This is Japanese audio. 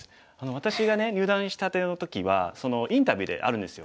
私がね入段したての時はインタビューであるんですよ。